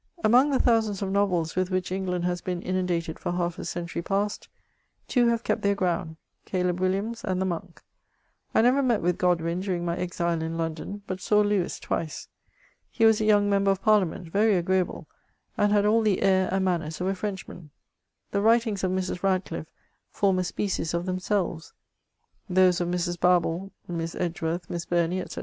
Among the thousands of novels with which England has been inundated for half a century past, two have kept their gpx>und : Caleb WiUiams and The Monk, I never met with Godwin during my exile in London, but saw Lewis twice. He was a young member of Parliament, very agreeable, and had all the air and manners of a Frenchman. The writings of Mrs. Rad cliffe form a species of themselves. Those of Mrs. Barbaold, Miss Edge worth. Miss Bumey, &c.